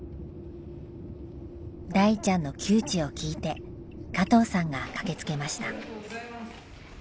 大ちゃんの窮地を聞いて加藤さんが駆けつけました。